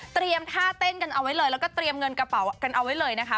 ท่าเต้นกันเอาไว้เลยแล้วก็เตรียมเงินกระเป๋ากันเอาไว้เลยนะคะ